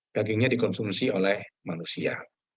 dagingnya dikonsumsi oleh manusia